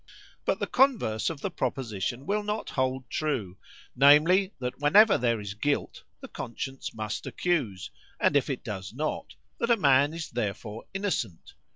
"But the converse of the proposition will not hold true;—namely, that whenever there is guilt, the conscience must accuse; and if it does not, that a man is therefore innocent.